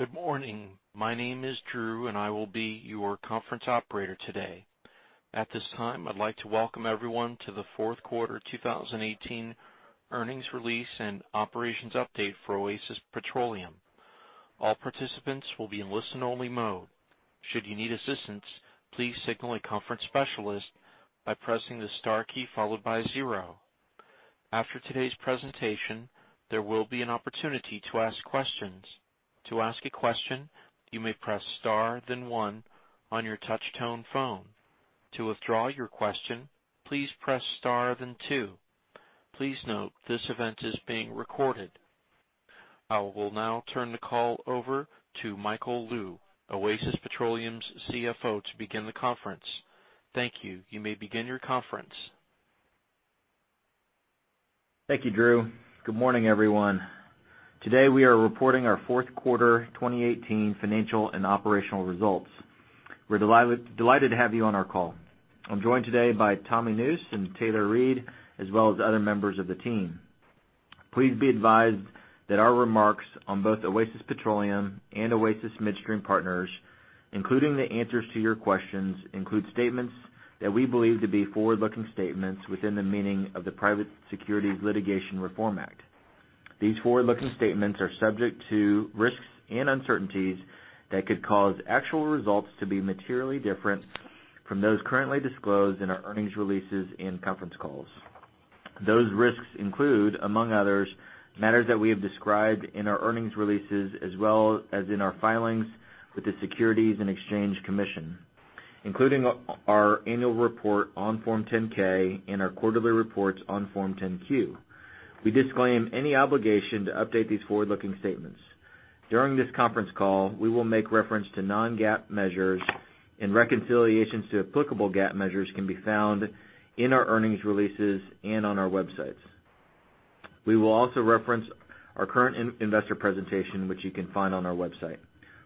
Good morning. My name is Drew, and I will be your conference operator today. At this time, I'd like to welcome everyone to the fourth quarter 2018 earnings release and operations update for Oasis Petroleum. All participants will be in listen-only mode. Should you need assistance, please signal a conference specialist by pressing the star key followed by zero. After today's presentation, there will be an opportunity to ask questions. To ask a question, you may press star then one on your touch tone phone. To withdraw your question, please press star then two. Please note this event is being recorded. I will now turn the call over to Michael Lou, Oasis Petroleum's CFO, to begin the conference. Thank you. You may begin your conference. Thank you, Drew. Good morning, everyone. Today, we are reporting our fourth quarter 2018 financial and operational results. We're delighted to have you on our call. I'm joined today by Tommy Nusz and Taylor Reid, as well as other members of the team. Please be advised that our remarks on both Oasis Petroleum and Oasis Midstream Partners, including the answers to your questions, include statements that we believe to be forward-looking statements within the meaning of the Private Securities Litigation Reform Act of 1995. These forward-looking statements are subject to risks and uncertainties that could cause actual results to be materially different from those currently disclosed in our earnings releases and conference calls. Those risks include, among others, matters that we have described in our earnings releases as well as in our filings with the Securities and Exchange Commission, including our annual report on Form 10-K and our quarterly reports on Form 10-Q. We disclaim any obligation to update these forward-looking statements. During this conference call, we will make reference to non-GAAP measures and reconciliations to applicable GAAP measures can be found in our earnings releases and on our websites. We will also reference our current investor presentation, which you can find on our website.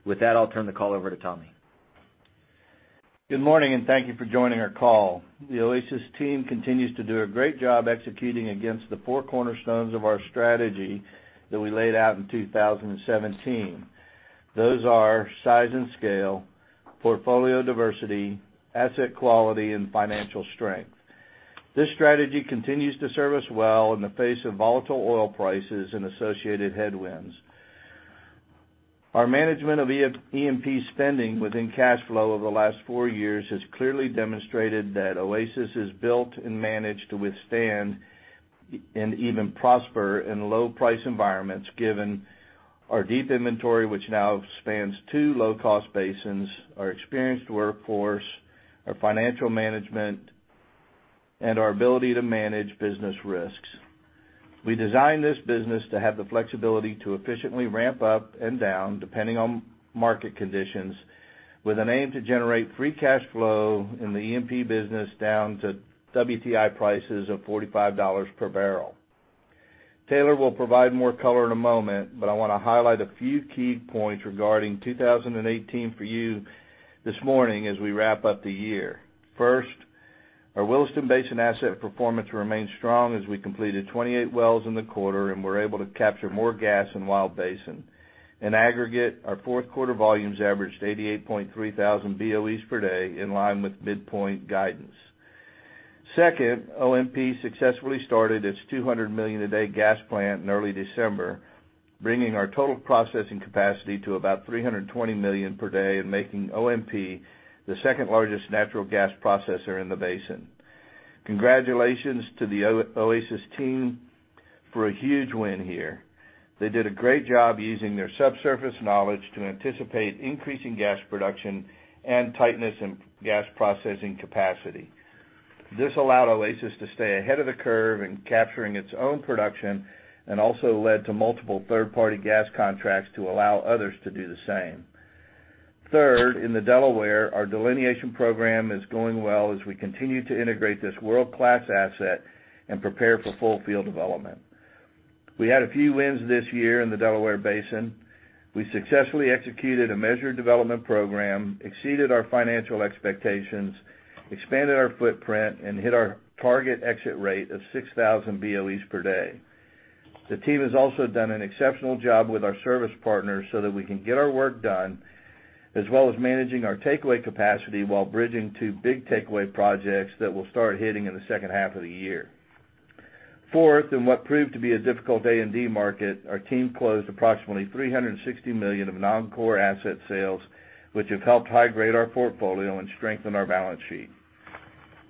With that, I'll turn the call over to Tommy. Good morning, and thank you for joining our call. The Oasis team continues to do a great job executing against the four cornerstones of our strategy that we laid out in 2017. Those are size and scale, portfolio diversity, asset quality, and financial strength. This strategy continues to serve us well in the face of volatile oil prices and associated headwinds. Our management of E&P spending within cash flow over the last four years has clearly demonstrated that Oasis is built and managed to withstand and even prosper in low price environments, given our deep inventory, which now spans two low-cost basins, our experienced workforce, our financial management, and our ability to manage business risks. We designed this business to have the flexibility to efficiently ramp up and down, depending on market conditions, with an aim to generate free cash flow in the E&P business down to WTI prices of $45 per barrel. Taylor will provide more color in a moment, but I want to highlight a few key points regarding 2018 for you this morning as we wrap up the year. First, our Williston Basin asset performance remained strong as we completed 28 wells in the quarter and were able to capture more gas in Wild Basin. In aggregate, our fourth quarter volumes averaged 88,300 BOEs per day, in line with midpoint guidance. Second, OMP successfully started its 200 million a day gas plant in early December, bringing our total processing capacity to about 320 million per day and making OMP the second-largest natural gas processor in the basin. Congratulations to the Oasis team for a huge win here. They did a great job using their subsurface knowledge to anticipate increasing gas production and tightness in gas processing capacity. This allowed Oasis to stay ahead of the curve in capturing its own production and also led to multiple third-party gas contracts to allow others to do the same. Third, in the Delaware Basin, our delineation program is going well as we continue to integrate this world-class asset and prepare for full field development. We had a few wins this year in the Delaware Basin. We successfully executed a measured development program, exceeded our financial expectations, expanded our footprint, and hit our target exit rate of 6,000 BOEs per day. The team has also done an exceptional job with our service partners so that we can get our work done, as well as managing our takeaway capacity while bridging two big takeaway projects that will start hitting in the second half of the year. Fourth, in what proved to be a difficult A&D market, our team closed approximately $360 million of non-core asset sales, which have helped high-grade our portfolio and strengthen our balance sheet.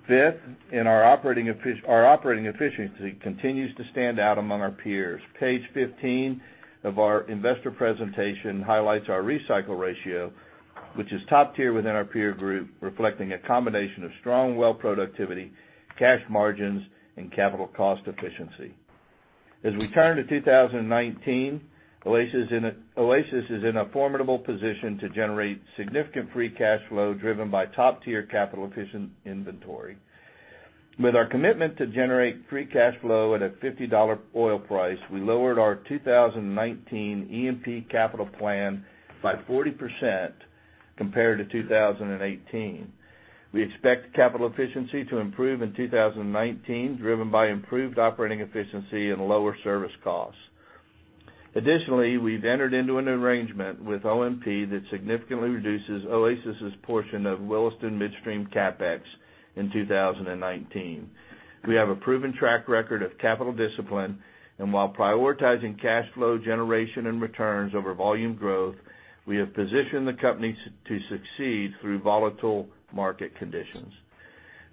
Fifth, our operating efficiency continues to stand out among our peers. Page 15 of our investor presentation highlights our recycle ratio, which is top tier within our peer group, reflecting a combination of strong well productivity, cash margins, and capital cost efficiency. As we turn to 2019, Oasis is in a formidable position to generate significant free cash flow driven by top-tier capital-efficient inventory. With our commitment to generate free cash flow at a $50 oil price, we lowered our 2019 E&P capital plan by 40% compared to 2018. We expect capital efficiency to improve in 2019, driven by improved operating efficiency and lower service costs. Additionally, we've entered into an arrangement with OMP that significantly reduces Oasis's portion of Williston midstream CapEx in 2019. We have a proven track record of capital discipline, and while prioritizing cash flow generation and returns over volume growth, we have positioned the company to succeed through volatile market conditions.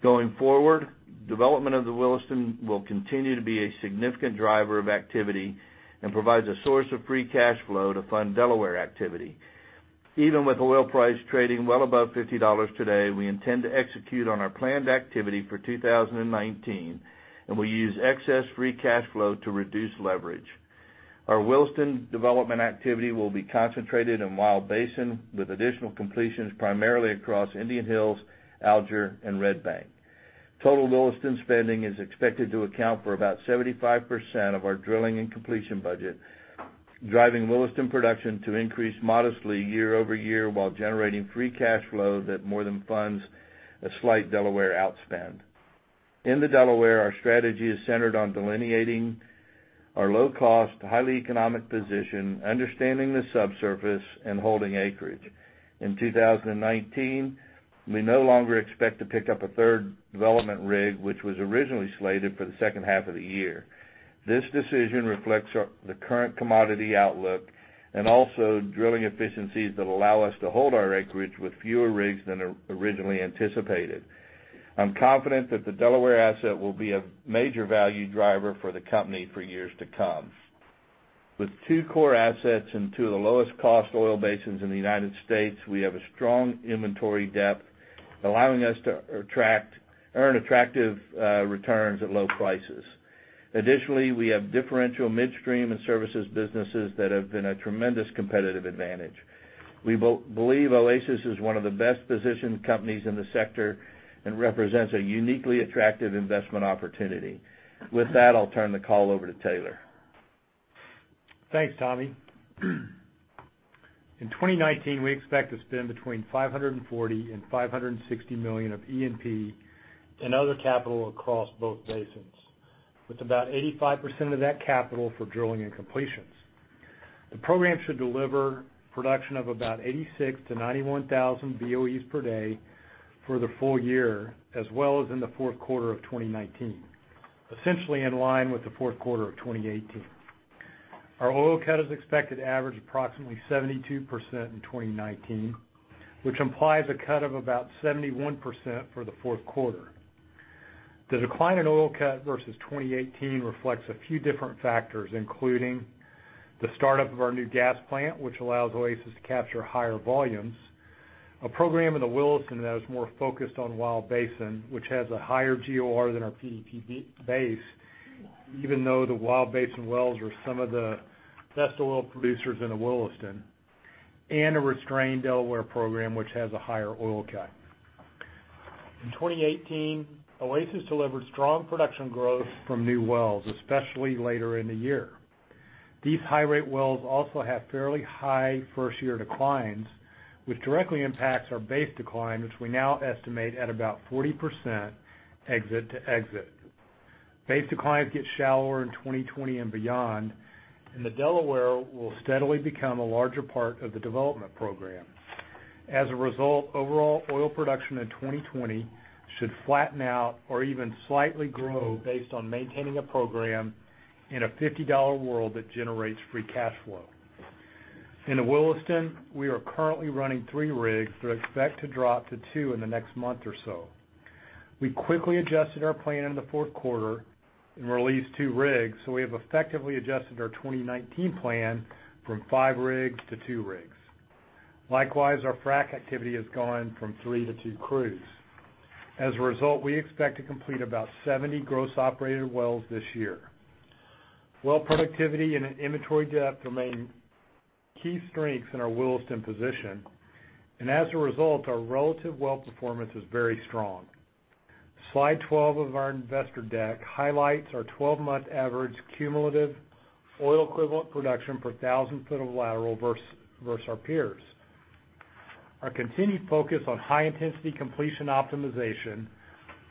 Going forward, development of the Williston will continue to be a significant driver of activity and provides a source of free cash flow to fund Delaware Basin activity. Even with oil price trading well above $50 today, we intend to execute on our planned activity for 2019, and we use excess free cash flow to reduce leverage. Our Williston development activity will be concentrated in Wild Basin, with additional completions primarily across Indian Hills, Alger, and Red Bank. Total Williston spending is expected to account for about 75% of our drilling and completion budget, driving Williston production to increase modestly year-over-year while generating free cash flow that more than funds a slight Delaware outspend. In the Delaware, our strategy is centered on delineating our low-cost, highly economic position, understanding the subsurface, and holding acreage. In 2019, we no longer expect to pick up a third development rig, which was originally slated for the second half of the year. This decision reflects the current commodity outlook and also drilling efficiencies that allow us to hold our acreage with fewer rigs than originally anticipated. I'm confident that the Delaware asset will be a major value driver for the company for years to come. With two core assets in two of the lowest cost oil basins in the U.S., we have a strong inventory depth, allowing us to earn attractive returns at low prices. Additionally, we have differential midstream and services businesses that have been a tremendous competitive advantage. We believe Oasis is one of the best-positioned companies in the sector and represents a uniquely attractive investment opportunity. With that, I'll turn the call over to Taylor. Thanks, Tommy. In 2019, we expect to spend between $540 million and $560 million of E&P and other capital across both basins, with about 85% of that capital for drilling and completions. The program should deliver production of about 86,000-91,000 BOEs per day for the full year, as well as in the fourth quarter of 2019, essentially in line with the fourth quarter of 2018. Our oil cut is expected to average approximately 72% in 2019, which implies a cut of about 71% for the fourth quarter. The decline in oil cut versus 2018 reflects a few different factors, including the startup of our new gas plant, which allows Oasis to capture higher volumes, a program in the Williston that is more focused on Wild Basin, which has a higher GOR than our PDP base, even though the Wild Basin wells are some of the best oil producers in the Williston, and a restrained Delaware program, which has a higher oil cut. In 2018, Oasis delivered strong production growth from new wells, especially later in the year. These high-rate wells also have fairly high first-year declines, which directly impacts our base decline, which we now estimate at about 40% exit to exit. Base declines get shallower in 2020 and beyond, and the Delaware will steadily become a larger part of the development program. As a result, overall oil production in 2020 should flatten out or even slightly grow based on maintaining a program in a $50 world that generates free cash flow. In the Williston, we are currently running three rigs but expect to drop to two in the next month or so. We quickly adjusted our plan in the fourth quarter and released two rigs, so we have effectively adjusted our 2019 plan from five rigs to two rigs. Likewise, our frac activity has gone from three to two crews. As a result, we expect to complete about 70 gross operated wells this year. Well productivity and inventory depth remain key strengths in our Williston position, and as a result, our relative well performance is very strong. Slide 12 of our investor deck highlights our 12-month average cumulative oil equivalent production per thousand foot of lateral versus our peers. Our continued focus on high-intensity completion optimization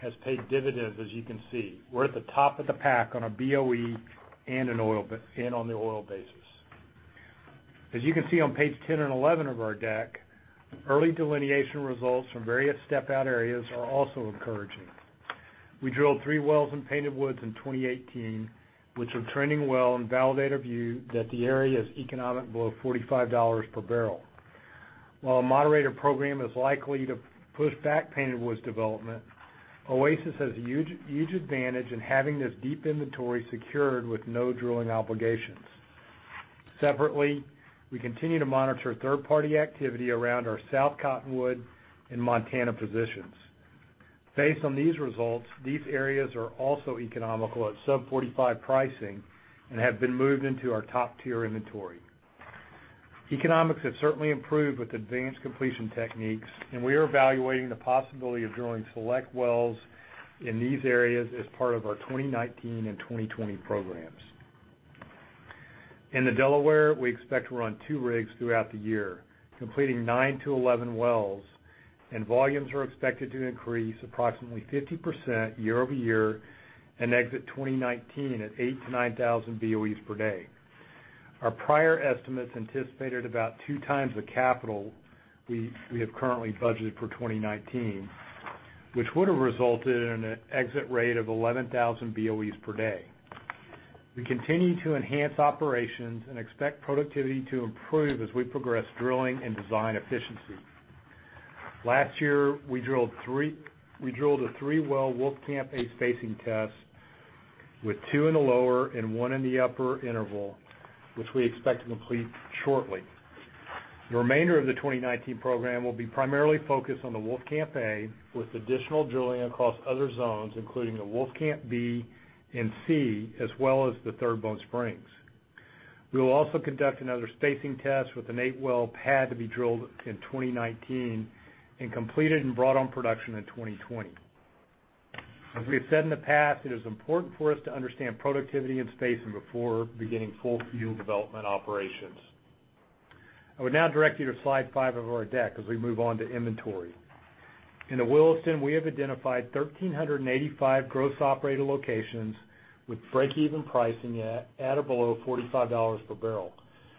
has paid dividends, as you can see. We are at the top of the pack on a BOE and on the oil basis. As you can see on page 10 and 11 of our deck, early delineation results from various step-out areas are also encouraging. We drilled three wells in Painted Woods in 2018, which are trending well and validate our view that the area is economic below $45 per barrel. While a moderated program is likely to push back Painted Woods development, Oasis has a huge advantage in having this deep inventory secured with no drilling obligations. Separately, we continue to monitor third-party activity around our South Cottonwood and Montana positions. Based on these results, these areas are also economical at sub 45 pricing and have been moved into our top-tier inventory. Economics have certainly improved with advanced completion techniques. We are evaluating the possibility of drilling select wells in these areas as part of our 2019 and 2020 programs. In the Delaware, we expect to run two rigs throughout the year, completing nine to 11 wells. Volumes are expected to increase approximately 50% year-over-year and exit 2019 at eight to nine thousand BOEs per day. Our prior estimates anticipated about two times the capital we have currently budgeted for 2019, which would have resulted in an exit rate of 11,000 BOEs per day. We continue to enhance operations and expect productivity to improve as we progress drilling and design efficiency. Last year, we drilled a three-well Wolfcamp A spacing test with two in the lower and one in the upper interval, which we expect to complete shortly. The remainder of the 2019 program will be primarily focused on the Wolfcamp A, with additional drilling across other zones, including the Wolfcamp B and C, as well as the Third Bone Spring. We will also conduct another spacing test with an eight-well pad to be drilled in 2019 and completed and brought on production in 2020. As we have said in the past, it is important for us to understand productivity and spacing before beginning full field development operations. I would now direct you to slide five of our deck as we move on to inventory. In the Williston, we have identified 1,385 gross operator locations with break-even pricing at or below $45 per barrel,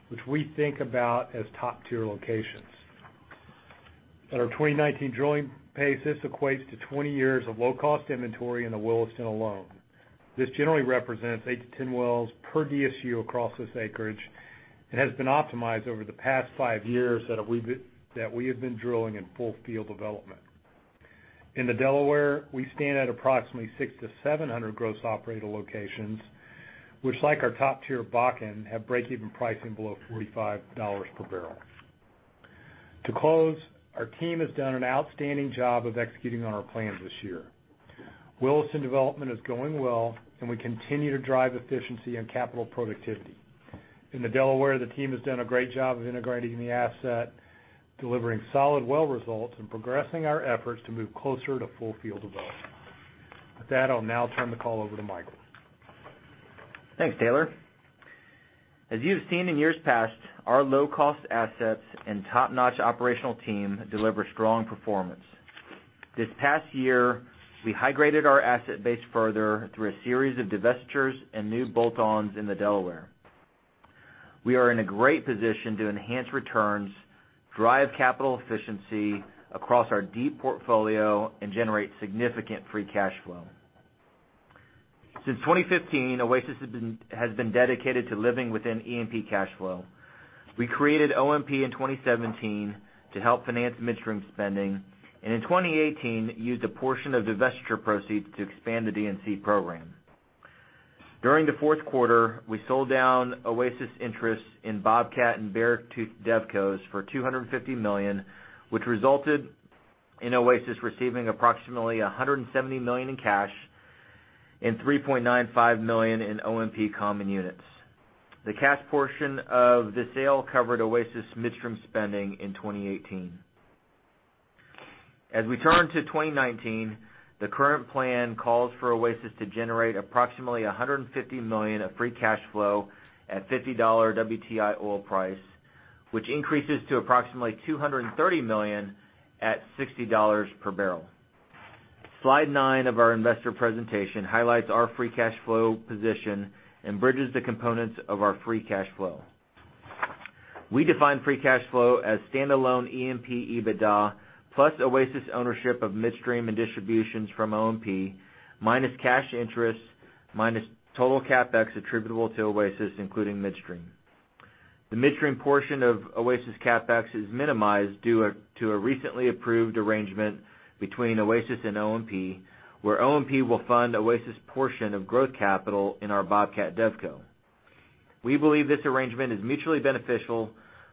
which we think about as top-tier locations. At our 2019 drilling pace, this equates to 20 years of low-cost inventory in the Williston alone. This generally represents eight to 10 wells per DSU across this acreage and has been optimized over the past five years that we have been drilling in full field development. In the Delaware, we stand at approximately 600 to 700 gross operator locations, which, like our top-tier Bakken, have break-even pricing below $45 per barrel. To close, our team has done an outstanding job of executing on our plans this year. Williston development is going well, and we continue to drive efficiency and capital productivity. In the Delaware, the team has done a great job of integrating the asset, delivering solid well results, and progressing our efforts to move closer to full field development. With that, I'll now turn the call over to Michael. Thanks, Taylor. As you have seen in years past, our low-cost assets and top-notch operational team deliver strong performance. This past year, we high-graded our asset base further through a series of divestitures and new bolt-ons in the Delaware. We are in a great position to enhance returns, drive capital efficiency across our deep portfolio, and generate significant free cash flow. Since 2015, Oasis has been dedicated to living within E&P cash flow. We created OMP in 2017 to help finance midstream spending, and in 2018 used a portion of divestiture proceeds to expand the D&C program. During the fourth quarter, we sold down Oasis interests in Bobcat and Beartooth DevCos for $250 million, which resulted in Oasis receiving approximately $170 million in cash and 3.95 million in OMP common units. The cash portion of the sale covered Oasis midstream spending in 2018. As we turn to 2019, the current plan calls for Oasis to generate approximately $150 million of free cash flow at $50 WTI oil price, which increases to approximately $230 million at $60 per barrel. Slide nine of our investor presentation highlights our free cash flow position and bridges the components of our free cash flow. We define free cash flow as standalone E&P EBITDA plus Oasis ownership of midstream and distributions from OMP, minus cash interest, minus total CapEx attributable to Oasis, including midstream. The midstream portion of Oasis CapEx is minimized due to a recently approved arrangement between Oasis and OMP, where OMP will fund Oasis portion of growth capital in our Bobcat DevCo. We believe this arrangement is mutually beneficial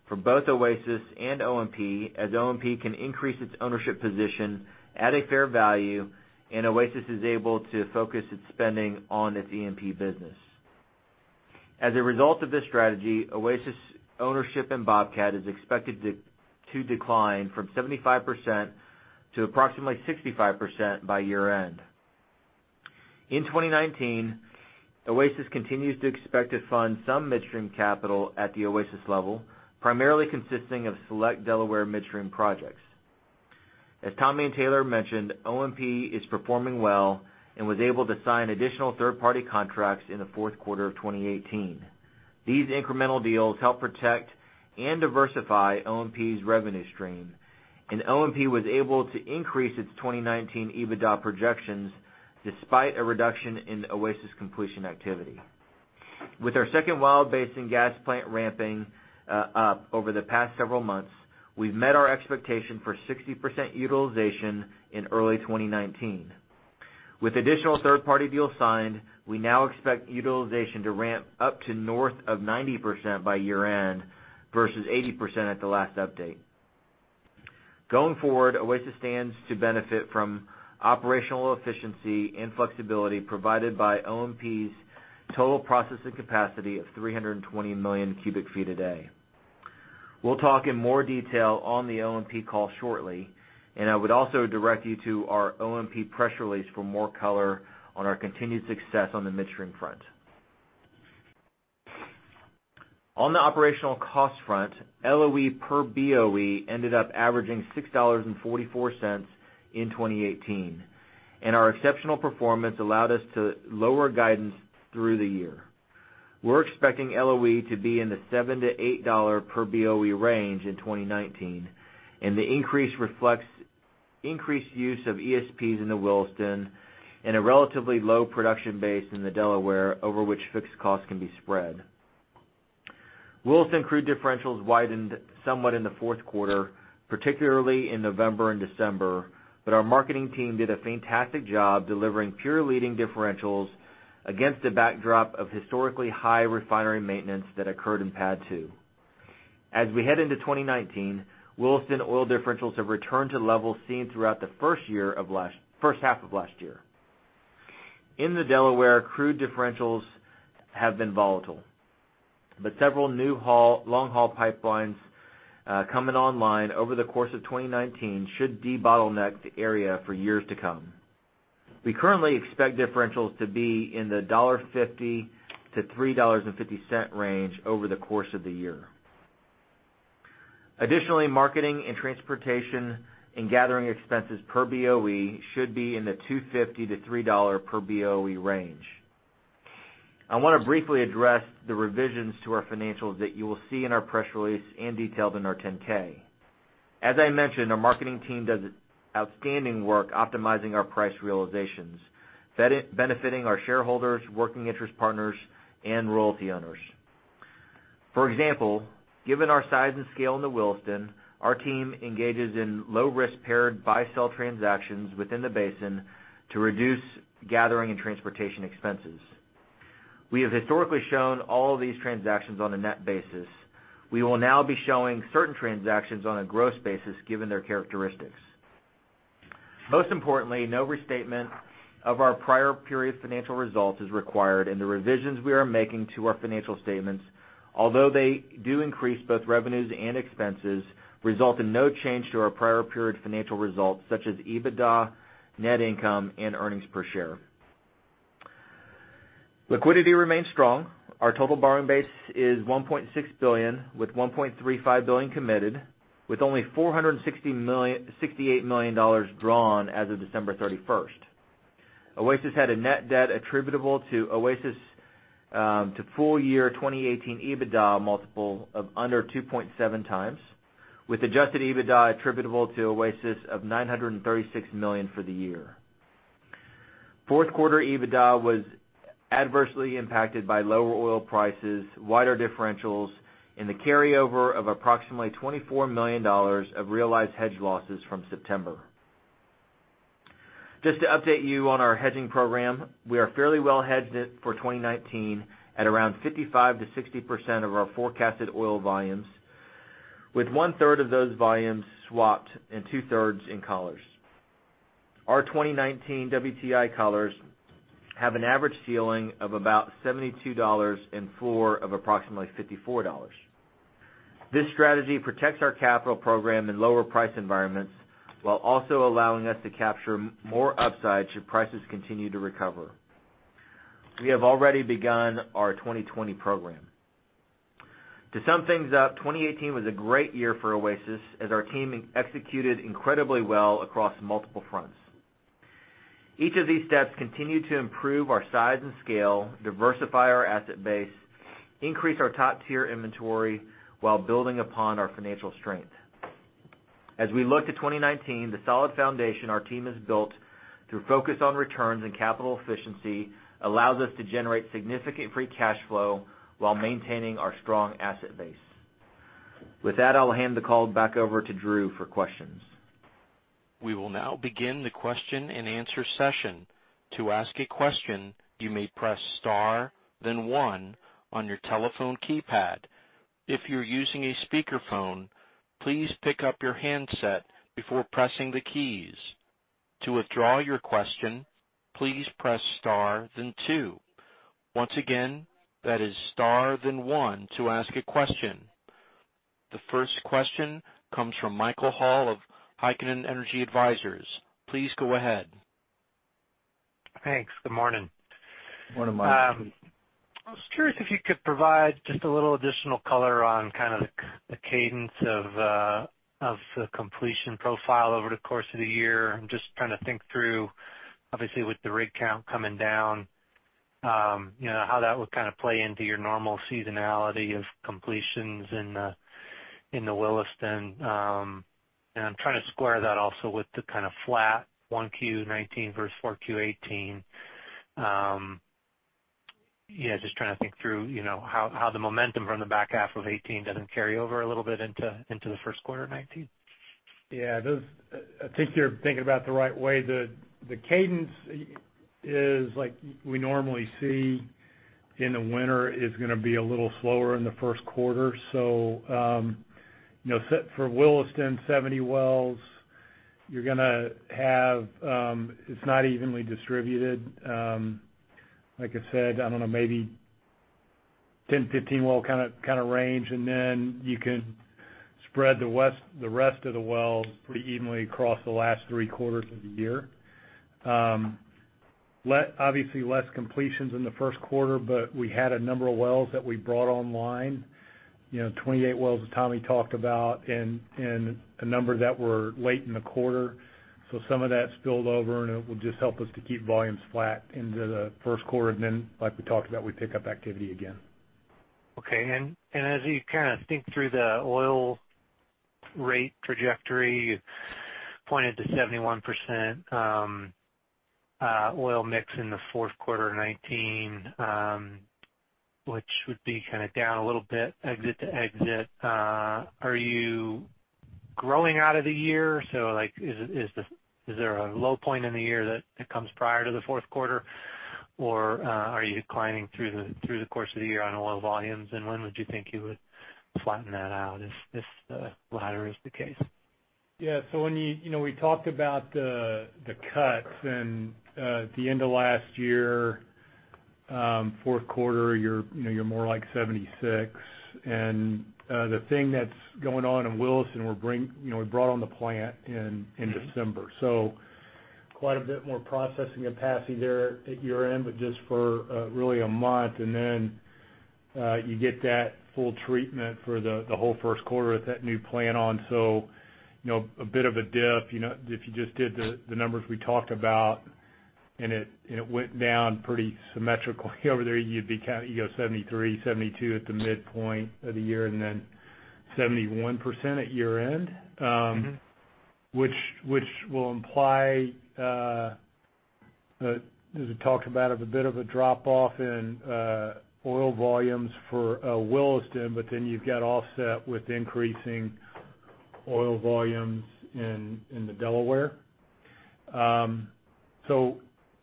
for both Oasis and OMP, as OMP can increase its ownership position at a fair value and Oasis is able to focus its spending on its E&P business. As a result of this strategy, Oasis ownership in Bobcat is expected to decline from 75% to approximately 65% by year-end. In 2019, Oasis continues to expect to fund some midstream capital at the Oasis level, primarily consisting of select Delaware midstream projects. As Tommy and Taylor mentioned, OMP is performing well and was able to sign additional third-party contracts in the fourth quarter of 2018. These incremental deals help protect and diversify OMP's revenue stream, and OMP was able to increase its 2019 EBITDA projections despite a reduction in Oasis completion activity. With our second Wild Basin gas plant ramping up over the past several months, we've met our expectation for 60% utilization in early 2019. With additional third-party deals signed, we now expect utilization to ramp up to north of 90% by year-end versus 80% at the last update. Going forward, Oasis stands to benefit from operational efficiency and flexibility provided by OMP's total processing capacity of 320 million cubic feet a day. We'll talk in more detail on the OMP call shortly, and I would also direct you to our OMP press release for more color on our continued success on the midstream front. On the operational cost front, LOE per BOE ended up averaging $6.44 in 2018, and our exceptional performance allowed us to lower guidance through the year. We're expecting LOE to be in the $7-$8 per BOE range in 2019. The increase reflects increased use of ESPs in the Williston and a relatively low production base in the Delaware, over which fixed costs can be spread. Williston crude differentials widened somewhat in the fourth quarter, particularly in November and December, but our marketing team did a fantastic job delivering peer-leading differentials against a backdrop of historically high refinery maintenance that occurred in PADD 2. As we head into 2019, Williston oil differentials have returned to levels seen throughout the first half of last year. In the Delaware, crude differentials have been volatile. Several new long-haul pipelines coming online over the course of 2019 should debottleneck the area for years to come. We currently expect differentials to be in the $1.50-$3.50 range over the course of the year. Additionally, marketing and transportation and gathering expenses per BOE should be in the $2.50-$3 per BOE range. I want to briefly address the revisions to our financials that you will see in our press release and detailed in our 10-K. As I mentioned, our marketing team does outstanding work optimizing our price realizations, benefiting our shareholders, working interest partners, and royalty owners. For example, given our size and scale in the Williston, our team engages in low-risk paired buy-sell transactions within the basin to reduce gathering and transportation expenses. We have historically shown all of these transactions on a net basis. We will now be showing certain transactions on a gross basis given their characteristics. Most importantly, no restatement of our prior period financial results is required. The revisions we are making to our financial statements, although they do increase both revenues and expenses, result in no change to our prior period financial results such as EBITDA, net income and earnings per share. Liquidity remains strong. Our total borrowing base is $1.6 billion, with $1.35 billion committed, with only $468 million drawn as of December 31st. Oasis had a net debt attributable to Oasis to full year 2018 EBITDA multiple of under 2.7 times, with adjusted EBITDA attributable to Oasis of $936 million for the year. Fourth quarter EBITDA was adversely impacted by lower oil prices, wider differentials in the carryover of approximately $24 million of realized hedge losses from September. Just to update you on our hedging program, we are fairly well hedged for 2019 at around 55%-60% of our forecasted oil volumes, with one-third of those volumes swapped and two-thirds in collars. Our 2019 WTI collars have an average ceiling of about $72 and four of approximately $54. This strategy protects our capital program in lower price environments while also allowing us to capture more upside should prices continue to recover. We have already begun our 2020 program. To sum things up, 2018 was a great year for Oasis as our team executed incredibly well across multiple fronts. Each of these steps continue to improve our size and scale, diversify our asset base, increase our top-tier inventory while building upon our financial strength. We look to 2019, the solid foundation our team has built through focus on returns and capital efficiency allows us to generate significant free cash flow while maintaining our strong asset base. With that, I'll hand the call back over to Drew for questions. We will now begin the question and answer session. To ask a question, you may press star then one on your telephone keypad. If you're using a speakerphone, please pick up your handset before pressing the keys. To withdraw your question, please press star then two. Once again, that is star then one to ask a question. The first question comes from Michael Hall of Heikkinen Energy Advisors. Please go ahead. Thanks. Good morning. Good morning, Mike. I was curious if you could provide just a little additional color on kind of the cadence of the completion profile over the course of the year. I'm just trying to think through, obviously, with the rig count coming down, how that would kind of play into your normal seasonality of completions in the Williston. I'm trying to square that also with the kind of flat 1Q19 versus 4Q18. Yeah, just trying to think through how the momentum from the back half of 2018 doesn't carry over a little bit into the first quarter of 2019. Yeah. I think you're thinking about it the right way. The cadence is like we normally see in the winter is going to be a little slower in the first quarter. For Williston, 70 wells, it's not evenly distributed. Like I said, I don't know, maybe 10, 15 well kind of range. You can spread the rest of the wells pretty evenly across the last three quarters of the year. Obviously, less completions in the first quarter, but we had a number of wells that we brought online. 28 wells, as Tommy talked about, and a number that were late in the quarter. Some of that spilled over, and it will just help us to keep volumes flat into the first quarter. Like we talked about, we pick up activity again. Okay. As you kind of think through the oil rate trajectory, you pointed to 71% oil mix in the fourth quarter of 2019, which would be kind of down a little bit exit to exit. Are you growing out of the year, so is there a low point in the year that comes prior to the fourth quarter, or are you declining through the course of the year on oil volumes? When would you think you would flatten that out if this latter is the case? Yeah. We talked about the cuts and at the end of last year, fourth quarter, you're more like 76%. The thing that's going on in Williston, we brought on the plant in December. Quite a bit more processing capacity there at year-end, but just for really a month. Then you get that full treatment for the whole first quarter with that new plant on. A bit of a dip, if you just did the numbers we talked about, and it went down pretty symmetrical over there, you'd be counting, you go 73, 72 at the midpoint of the year, and then 71% at year-end. Which will imply, as we talked about, of a bit of a drop-off in oil volumes for Williston, you've got offset with increasing oil volumes in the Delaware.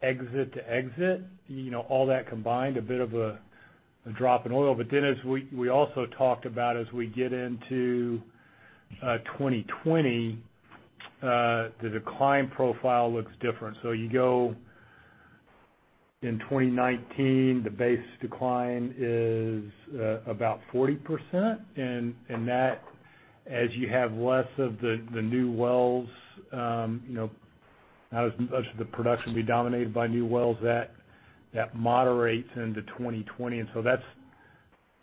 Exit to exit, all that combined, a bit of a drop in oil. As we also talked about as we get into 2020, the decline profile looks different. You go in 2019, the base decline is about 40%. That, as you have less of the new wells, not as much of the production be dominated by new wells, that moderates into 2020.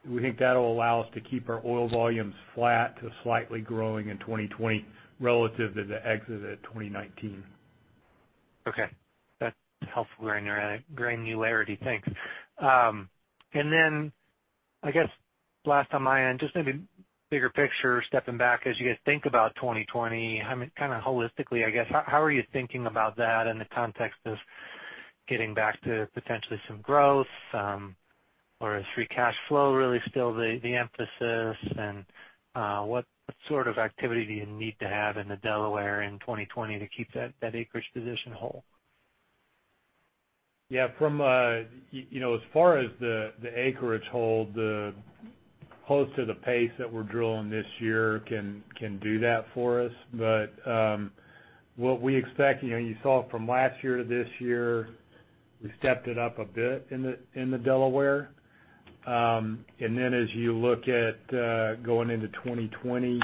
We think that'll allow us to keep our oil volumes flat to slightly growing in 2020 relative to the exit at 2019. Okay. That's helpful granularity. Thanks. I guess last on my end, just maybe bigger picture, stepping back as you guys think about 2020, kind of holistically, I guess, how are you thinking about that in the context of getting back to potentially some growth? Or is free cash flow really still the emphasis? What sort of activity do you need to have in the Delaware in 2020 to keep that acreage position whole? Yeah. As far as the acreage hold, close to the pace that we're drilling this year can do that for us. What we expect, you saw from last year to this year, we stepped it up a bit in the Delaware. As you look at going into 2020,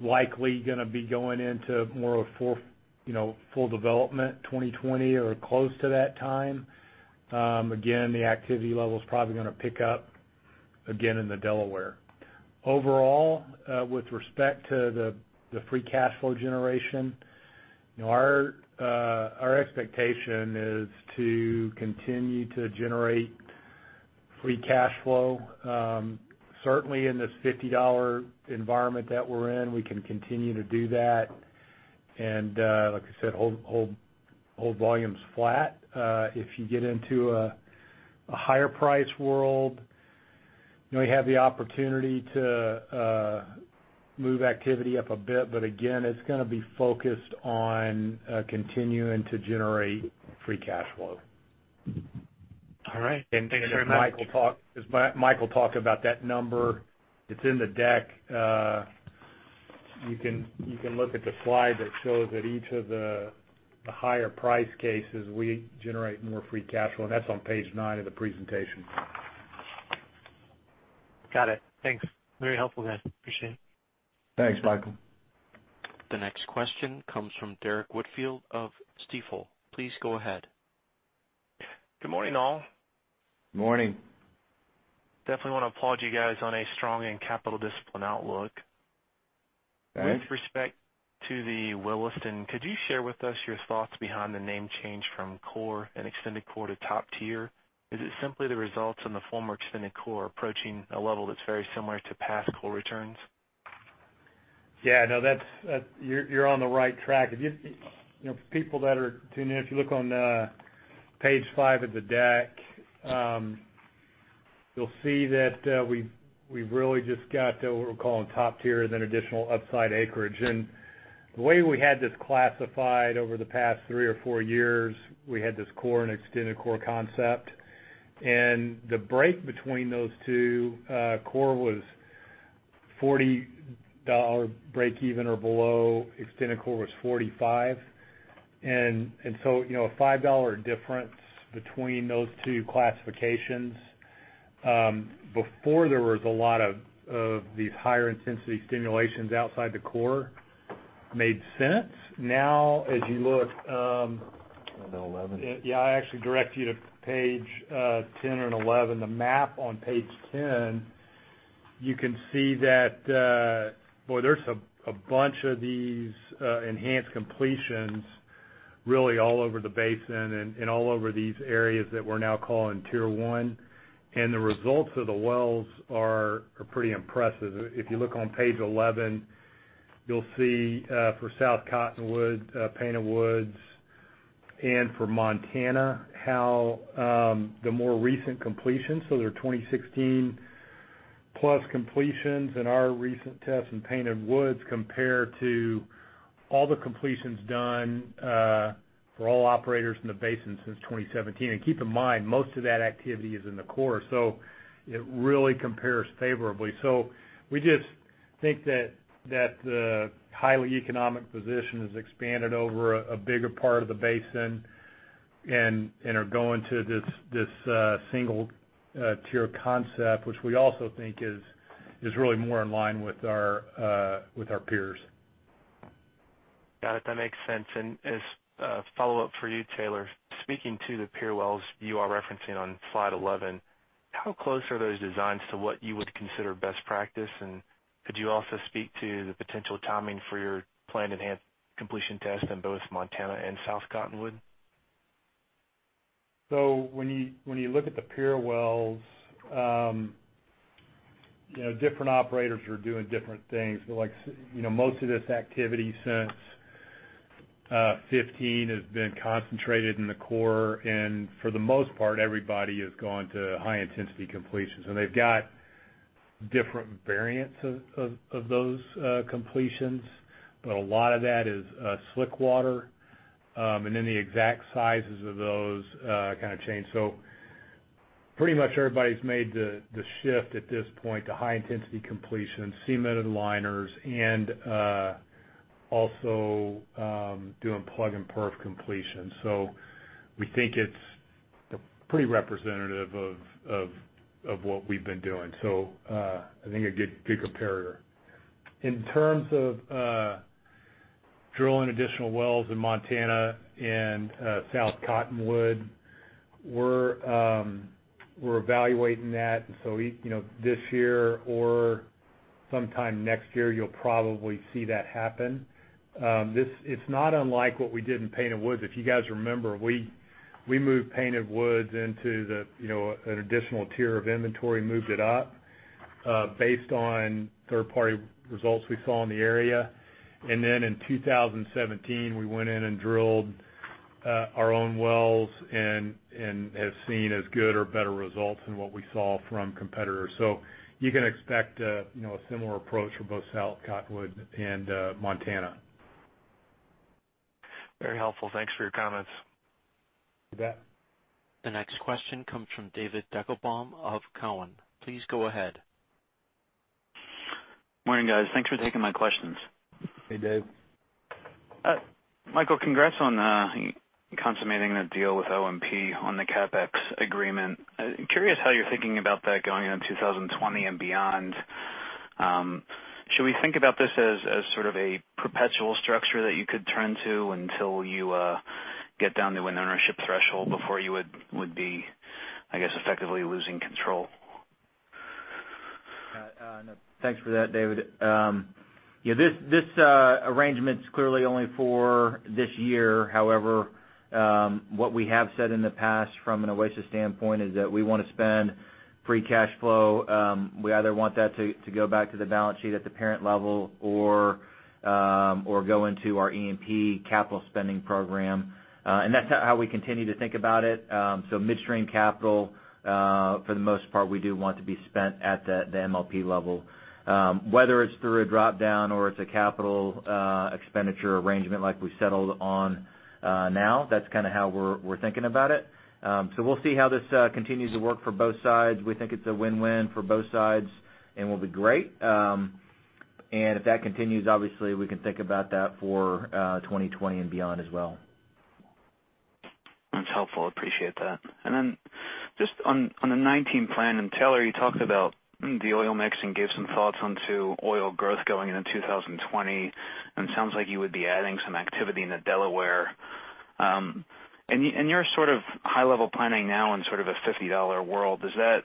likely going to be going into more of full development 2020 or close to that time. Again, the activity level's probably going to pick up again in the Delaware. Overall, with respect to the free cash flow generation, our expectation is to continue to generate free cash flow. Certainly in this $50 environment that we're in, we can continue to do that. Like I said, hold volumes flat. If you get into a higher price world, we have the opportunity to move activity up a bit, but again, it's going to be focused on continuing to generate free cash flow. All right. Thank you very much. As Mike will talk about that number, it's in the deck. You can look at the slide that shows at each of the higher price cases, we generate more free cash flow. That's on page nine of the presentation. Got it. Thanks. Very helpful, guys. Appreciate it. Thanks, Michael. The next question comes from Derrick Whitfield of Stifel. Please go ahead. Good morning, all. Morning. Definitely want to applaud you guys on a strong and capital discipline outlook. Thanks. With respect to the Williston, could you share with us your thoughts behind the name change from core and extended core to top tier? Is it simply the results in the former extended core approaching a level that's very similar to past core returns? Yeah, no. You're on the right track. For people that are tuning in, if you look on page five of the deck, you'll see that we've really just got what we're calling top tier, then additional upside acreage. The way we had this classified over the past three or four years, we had this core and extended core concept. The break between those two, core was $40 breakeven or below extended core was $45. A $5 difference between those two classifications, before there was a lot of these higher intensity stimulations outside the core made sense. Now, as you look- 10 and 11. I actually direct you to page 10 and 11. The map on page 10, you can see that, boy, there's a bunch of these enhanced completions really all over the basin and all over these areas that we're now calling tier 1, and the results of the wells are pretty impressive. If you look on page 11, you'll see for South Cottonwood, Painted Woods, and for Montana, how the more recent completions, they're 2016-plus completions in our recent tests in Painted Woods compare to all the completions done for all operators in the basin since 2017. Keep in mind, most of that activity is in the core, it really compares favorably. We just think that the highly economic position has expanded over a bigger part of the basin and are going to this single tier 1 concept, which we also think is really more in line with our peers. Got it. That makes sense. As a follow-up for you, Taylor, speaking to the peer wells you are referencing on slide 11, how close are those designs to what you would consider best practice? Could you also speak to the potential timing for your planned enhanced completion test in both Montana and South Cottonwood? When you look at the peer wells, different operators are doing different things. Most of this activity since 2015 has been concentrated in the core, for the most part, everybody has gone to high-intensity completions. They've got different variants of those completions, but a lot of that is slickwater, the exact sizes of those change. Pretty much everybody's made the shift at this point to high-intensity completion, cemented liners, and also doing plug and perf completion. We think it's pretty representative of what we've been doing. I think a good comparator. In terms of drilling additional wells in Montana and South Cottonwood, we're evaluating that. This year or sometime next year, you'll probably see that happen. It's not unlike what we did in Painted Woods. If you guys remember, we moved Painted Woods into an additional tier of inventory, moved it up based on third-party results we saw in the area. In 2017, we went in and drilled our own wells and have seen as good or better results than what we saw from competitors. You can expect a similar approach for both South Cottonwood and Montana. Very helpful. Thanks for your comments. You bet. The next question comes from David Deckelbaum of Cowen. Please go ahead. Morning, guys. Thanks for taking my questions. Hey, Dave. Michael, congrats on consummating that deal with OMP on the CapEx agreement. Curious how you're thinking about that going into 2020 and beyond. Should we think about this as sort of a perpetual structure that you could turn to until you get down to an ownership threshold before you would be, I guess, effectively losing control? Thanks for that, David. This arrangement's clearly only for this year. What we have said in the past from an Oasis standpoint is that we want to spend free cash flow. We either want that to go back to the balance sheet at the parent level or go into our E&P capital spending program. That's how we continue to think about it. Midstream capital, for the most part, we do want to be spent at the MLP level. Whether it's through a drop-down or it's a capital expenditure arrangement like we settled on now, that's how we're thinking about it. We'll see how this continues to work for both sides. We think it's a win-win for both sides and will be great. If that continues, obviously, we can think about that for 2020 and beyond as well. That's helpful. Appreciate that. Just on the 2019 plan, Taylor, you talked about the oil mix and gave some thoughts onto oil growth going into 2020, it sounds like you would be adding some activity in the Delaware. In your sort of high-level planning now in sort of a $50 world, does that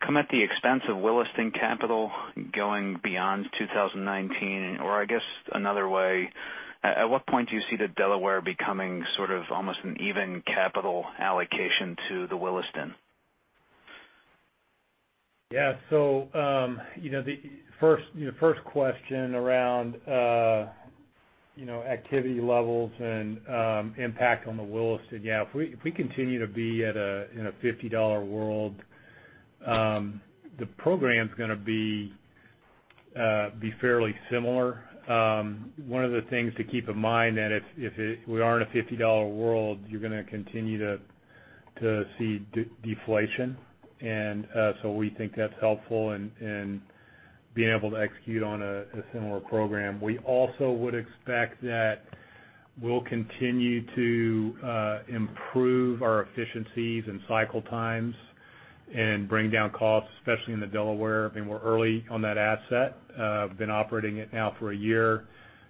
come at the expense of Williston capital going beyond 2019? I guess another way, at what point do you see the Delaware becoming sort of almost an even capital allocation to the Williston? The first question around activity levels and impact on the Williston. If we continue to be in a $50 world, the program's going to be fairly similar. One of the things to keep in mind that if we are in a $50 world, you're going to continue to see deflation. We think that's helpful in being able to execute on a similar program. We also would expect that we'll continue to improve our efficiencies and cycle times and bring down costs, especially in the Delaware. We're early on that asset, been operating it now for a year,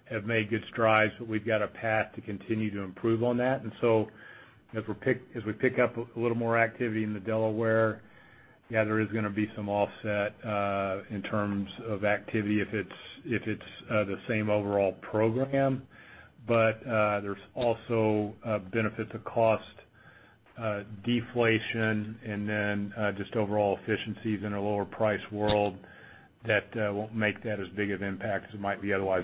have made good strides, but we've got a path to continue to improve on that. As we pick up a little more activity in the Delaware, there is going to be some offset in terms of activity if it's the same overall program. There's also a benefit to cost deflation just overall efficiencies in a lower price world that won't make that as big of impact as it might be otherwise.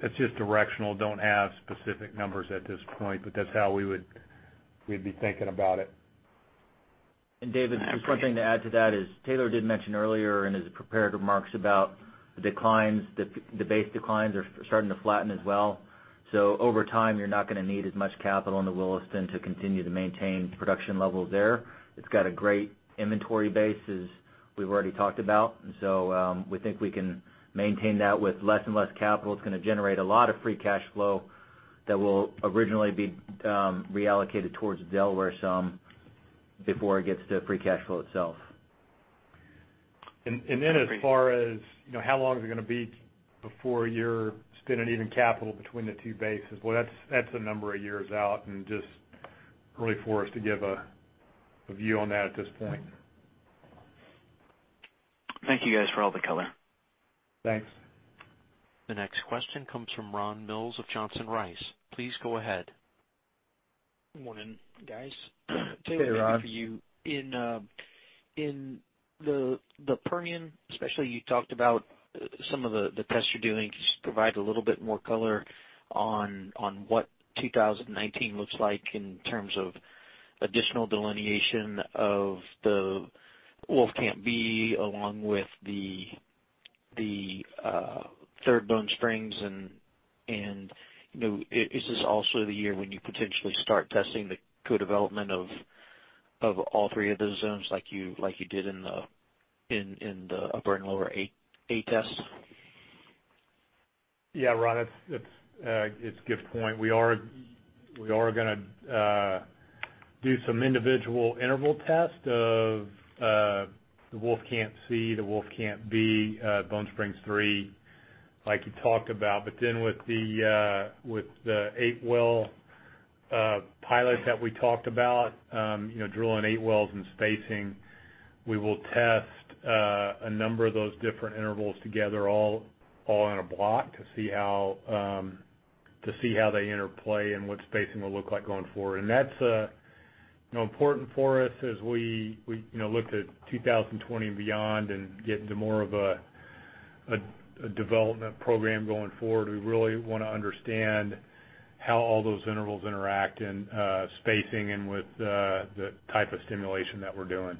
It's just directional, don't have specific numbers at this point, but that's how we'd be thinking about it. David, just one thing to add to that is Taylor did mention earlier in his prepared remarks about the declines. The base declines are starting to flatten as well. Over time, you're not going to need as much capital in the Williston to continue to maintain production levels there. It's got a great inventory base, as we've already talked about. We think we can maintain that with less and less capital. It's going to generate a lot of free cash flow that will originally be reallocated towards Delaware some before it gets to free cash flow itself. As far as how long is it going to be before you're spending even capital between the two bases? Well, that's a number of years out and just early for us to give a view on that at this point. Thank you guys for all the color. Thanks. The next question comes from Ronald Mills of Johnson Rice. Please go ahead. Morning, guys. Hey, Ron. Taylor, maybe for you. In the Permian especially, you talked about some of the tests you're doing. Could you provide a little bit more color on what 2019 looks like in terms of additional delineation of the Wolfcamp B along with the Third Bone Spring, is this also the year when you potentially start testing the co-development of all three of those zones like you did in the upper and lower A tests? Yeah, Ron, it's a good point. We are going to do some individual interval tests of the Wolfcamp C, the Wolfcamp B, Third Bone Spring, like you talked about. With the eight-well pilot that we talked about, drilling eight wells and spacing, we will test a number of those different intervals together all on a block to see how they interplay and what spacing will look like going forward. That's important for us as we look to 2020 and beyond and get into more of a development program going forward. We really want to understand how all those intervals interact and spacing in with the type of stimulation that we're doing.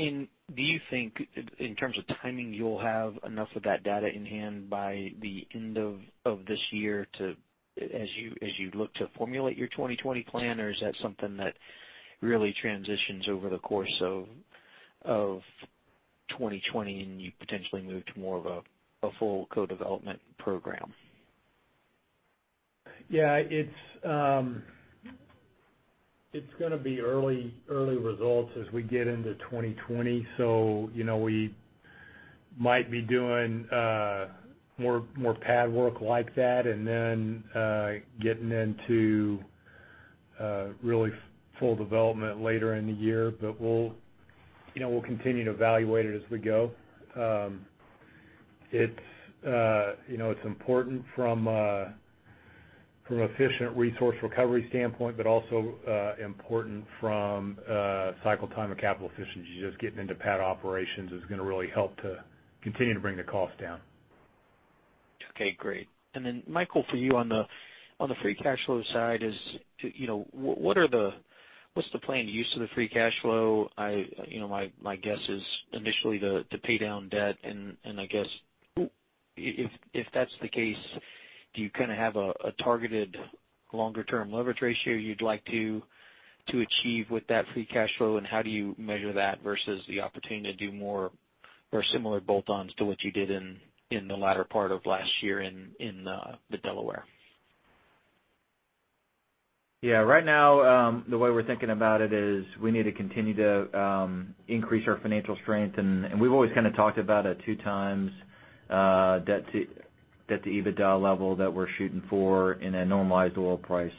Do you think in terms of timing, you'll have enough of that data in hand by the end of this year as you look to formulate your 2020 plan, or is that something that really transitions over the course of 2020, and you potentially move to more of a full co-development program? Yeah. It's going to be early results as we get into 2020. We might be doing more pad work like that, and then getting into really full development later in the year. We'll continue to evaluate it as we go. It's important from an efficient resource recovery standpoint, but also important from a cycle time and capital efficiency, just getting into pad operations is going to really help to continue to bring the cost down. Okay, great. Michael, for you on the free cash flow side is, what's the planned use of the free cash flow? My guess is initially to pay down debt, and I guess if that's the case, do you have a targeted longer-term leverage ratio you'd like to achieve with that free cash flow, and how do you measure that versus the opportunity to do more or similar bolt-ons to what you did in the latter part of last year in the Delaware? Yeah. Right now, the way we're thinking about it is we need to continue to increase our financial strength, and we've always talked about a 2 times debt-to-EBITDA level that we're shooting for in a normalized oil price.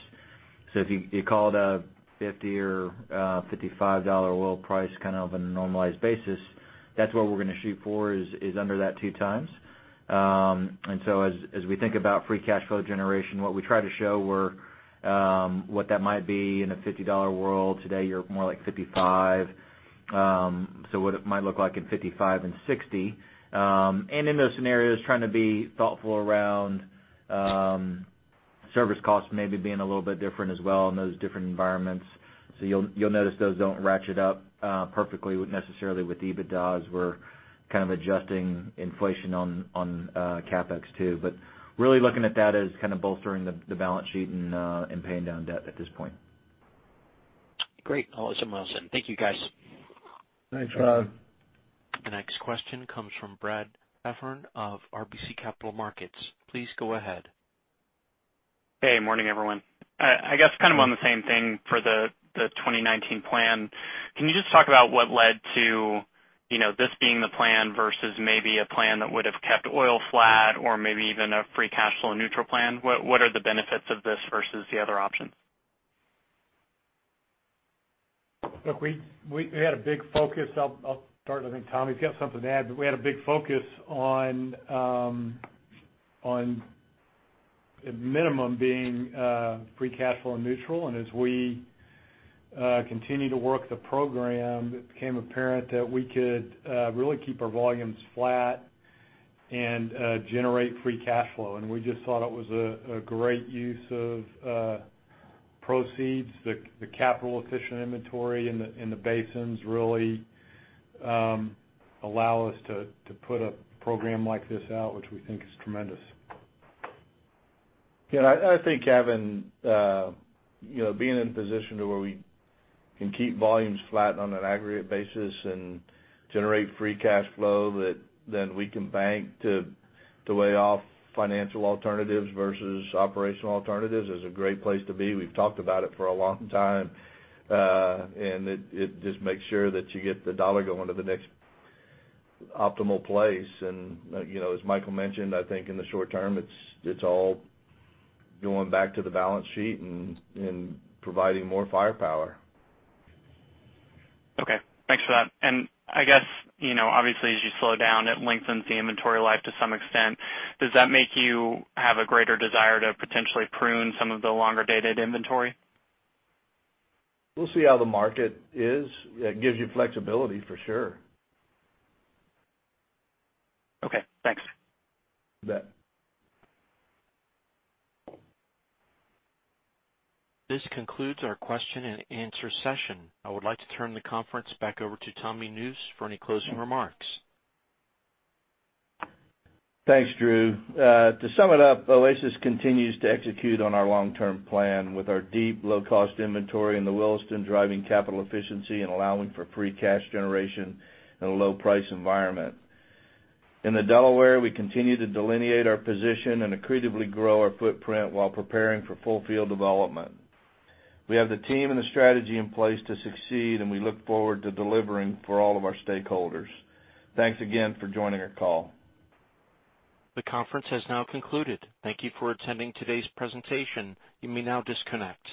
If you called a $50 or $55 oil price on a normalized basis, that's what we're going to shoot for, is under that 2 times. As we think about free cash flow generation, what we try to show were what that might be in a $50 world. Today, you're more like $55, so what it might look like in $55 and $60. In those scenarios, trying to be thoughtful around service costs maybe being a little bit different as well in those different environments. So you'll notice those don't ratchet up perfectly necessarily with EBITDA, as we're kind of adjusting inflation on CapEx too. Really looking at that as kind of bolstering the balance sheet and paying down debt at this point. Great. Awesome, Wilson. Thank you, guys. Thanks, Rob. The next question comes from Brad Heffern of RBC Capital Markets. Please go ahead. Hey, morning, everyone. I guess kind of on the same thing for the 2019 plan, can you just talk about what led to this being the plan versus maybe a plan that would've kept oil flat or maybe even a free cash flow neutral plan? What are the benefits of this versus the other options? I'll start, and I think Tommy's got something to add, but we had a big focus on at minimum being free cash flow and neutral. As we continue to work the program, it became apparent that we could really keep our volumes flat and generate free cash flow, and we just thought it was a great use of proceeds. The capital-efficient inventory in the basins really allow us to put a program like this out, which we think is tremendous. I think, Kevin, being in a position to where we can keep volumes flat on an aggregate basis and generate free cash flow that then we can bank to weigh off financial alternatives versus operational alternatives is a great place to be. We've talked about it for a long time, and it just makes sure that you get the dollar going to the next optimal place. As Michael mentioned, I think in the short term, it's all going back to the balance sheet and providing more firepower. Thanks for that. I guess, obviously, as you slow down, it lengthens the inventory life to some extent. Does that make you have a greater desire to potentially prune some of the longer-dated inventory? We'll see how the market is. It gives you flexibility, for sure. Okay, thanks. You bet. This concludes our question and answer session. I would like to turn the conference back over to Tommy Nusz for any closing remarks. Thanks, Drew. To sum it up, Oasis continues to execute on our long-term plan with our deep low-cost inventory in the Williston, driving capital efficiency and allowing for free cash generation in a low-price environment. In the Delaware, we continue to delineate our position and accretively grow our footprint while preparing for full field development. We have the team and the strategy in place to succeed, and we look forward to delivering for all of our stakeholders. Thanks again for joining our call. The conference has now concluded. Thank you for attending today's presentation. You may now disconnect.